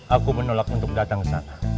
aku menolak untuk datang ke sana